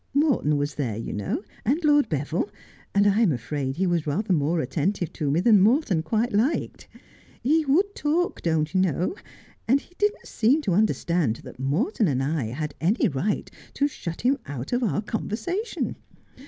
' Morton was there, you know, and Lord Seville, and I am afraid he was rather more attentive to me than Morton quite liked. He would talk, don't you know, and he didn't seem to understand that Morton and I had any right to shut him out of our conversation.